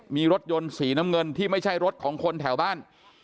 มีรถยนต์สีน้ำเงินที่ไม่ใช่รถของคนแถวบ้าน